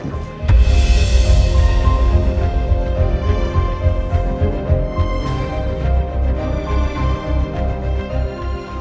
nah apa kan